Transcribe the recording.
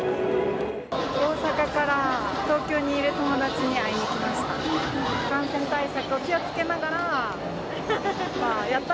大阪から、東京にいる友達に会いに来ました。